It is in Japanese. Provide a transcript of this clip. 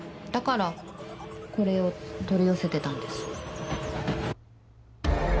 だからこれを取り寄せてたんです。